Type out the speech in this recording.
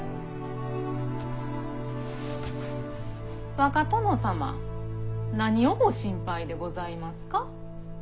若殿様何をご心配でございますか？